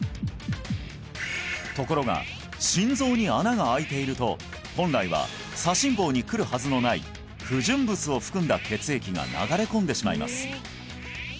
ところが心臓に穴が開いていると本来は左心房にくるはずのない不純物を含んだ血液が流れ込んでしまいます